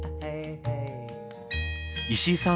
石井さん